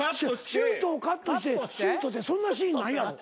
シュートをカットしてシュートってそんなシーンないやろ。